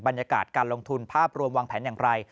บรรยากาศการลงทุนภาพรวมวางแผนอย่างไร